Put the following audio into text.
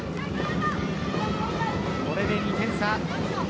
これで２点差。